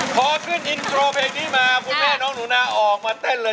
พอขึ้นอินโทรเพลงนี้มาคุณแม่น้องหนูนาออกมาเต้นเลย